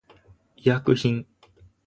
医薬品